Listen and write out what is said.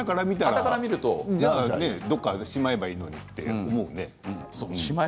はたから見るとどこかにしまえばいいのにって思うね。